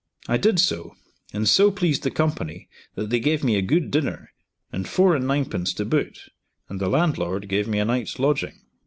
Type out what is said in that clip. I did so, and so pleased the company that they gave me a good dinner and four and ninepence to boot, and the landlord gave me a night's lodging.